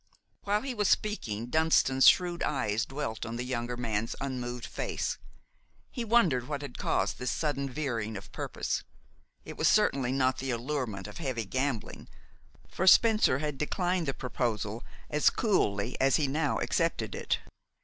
While he was speaking, Dunston's shrewd eyes dwelt on the younger man's unmoved face. He wondered what had caused this sudden veering of purpose. It was certainly not the allurement of heavy gambling, for Spencer had declined the proposal as coolly as he now accepted it.